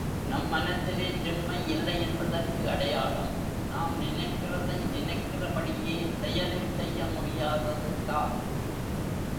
நம் மனத்திலே திண்மை இல்லை என்பதற்கு அடையாளம், நாம் நினைக்கிறதை நினைக்கிறபடியே செயலில் செய்ய முடியாதது தான்.